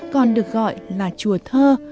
còn được gọi là chùa thơ